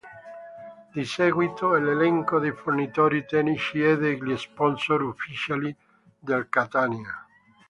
Di seguito l'elenco dei fornitori tecnici e degli sponsor ufficiali del Catania.